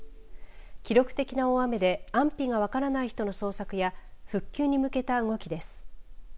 記録的な大雨で安否が分からない人の捜索や復旧に向けた動きです。